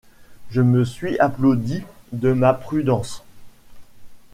Je me suis applaudie de ma prudence.